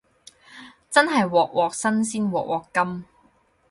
真係鑊鑊新鮮鑊鑊甘